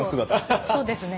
そうですね。